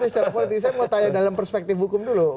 saya mau tanya dalam perspektif hukum dulu